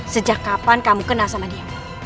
sejak kapan kamu kenal sama dia